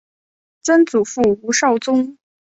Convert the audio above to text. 曾祖父吴绍宗。